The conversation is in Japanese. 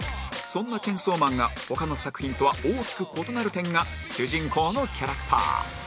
そんな『チェンソーマン』が他の作品とは大きく異なる点が主人公のキャラクター